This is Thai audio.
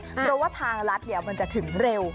เพราะว่าทางรัฐมันจะถึงเร็ว